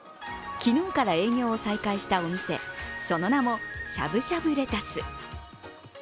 昨日から営業を再開したお店、その名も、しゃぶしゃぶれたす。